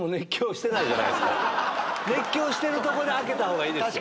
熱狂してるとこで開けたほうがいいですよ。